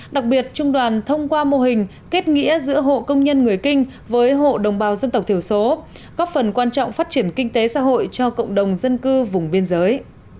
đặc biệt trung đoàn thông qua mô hình kết nghĩa giữa hộ công nhân người kinh với hộ đồng bào dân tộc thiểu số góp phần quan trọng phát triển kinh tế xã hội cho cộng đồng dân cư vùng biên giới